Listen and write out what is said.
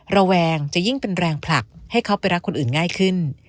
ระแวงจะยิ่งเป็นแรงผลักให้เขาไปรักคนอื่นง่ายขึ้น